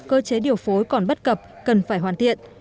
cơ chế điều phối còn bất cập cần phải hoàn thiện